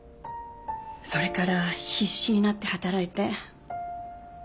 それから必死になって働いて。